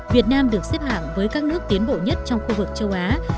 việt nam được xếp hạng với các nước tiến bộ nhất trong khu vực châu á